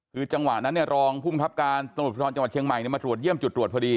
คือจังหวะนั้นรองภูมิครับการตำรวจภูทรจังหวัดเชียงใหม่มาตรวจเยี่ยมจุดตรวจพอดี